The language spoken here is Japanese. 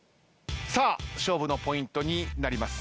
さあ勝負のポイントになります。